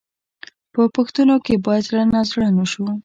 په پوښتنو کې باید زړه نازړه نه شو.